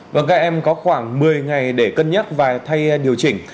vâng các em có khoảng một mươi ngày để cân nhắc và thay điều chỉnh